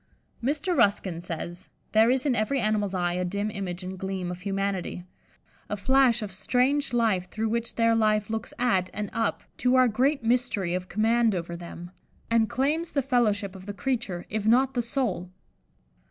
'" Mr. Ruskin says, "There is in every animal's eye a dim image and gleam of humanity, a flash of strange life through which their life looks at and up to our great mystery of command over them, and claims the fellowship of the creature, if not of the soul!"